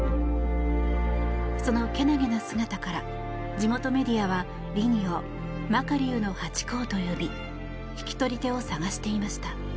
そのけなげな姿から地元メディアはリニをマカリウのハチ公と呼び引き取り手を探していました。